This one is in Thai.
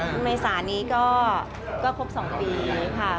ในสานนี้ก็คบสองปีค่ะ